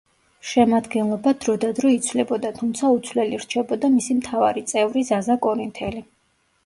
შემადგენლობა დრო და დრო იცვლებოდა, თუმცა უცვლელი რჩებოდა მისი მთავარი წევრი, ზაზა კორინთელი.